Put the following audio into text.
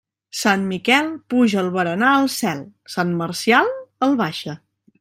Sant Miquel puja el berenar al cel; sant Marcial el baixa.